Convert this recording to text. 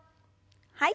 はい。